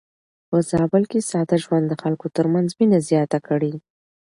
په زابل کې ساده ژوند د خلکو ترمنځ مينه زياته کړې.